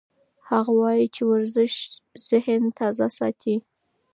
هغه وایي چې ورزش ذهن تازه ساتي.